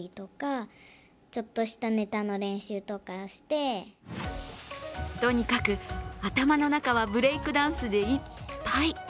更にとにかく頭の中はブレイクダンスでいっぱい。